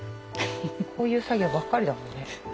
こういう作業ばっかりだもんね。